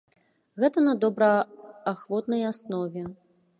Гэта на добраахвотнай аснове.